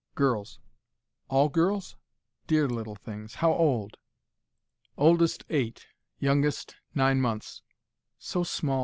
"Girls." "All girls? Dear little things! How old?" "Oldest eight youngest nine months " "So small!"